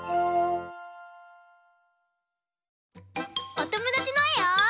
おともだちのえを。